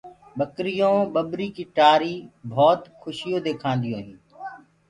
ٻڪريونٚ ٻٻريٚ ڪيٚ ٽآريٚ بهوت کُشيو دي کآنديو هينٚ۔